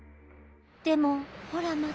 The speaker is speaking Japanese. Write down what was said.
でもほらまた。